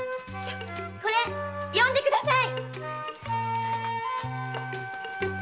これ読んでください！